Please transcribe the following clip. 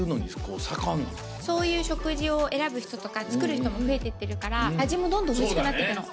そういう食事を選ぶ人とか作る人も増えてってるから味もどんどんおいしくなって行くの。